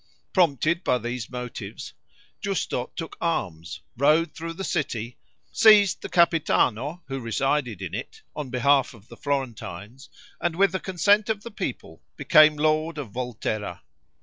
Prompted by these motives, Giusto took arms, rode through the city, seized the Capitano, who resided in it, on behalf of the Florentines, and with the consent of the people, became lord of Volterra.